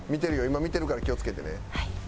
今見てるから気を付けてね。